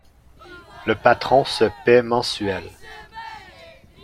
Le patron se paie mensuels.